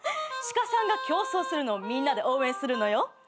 シカさんが競走するのをみんなで応援するのよ。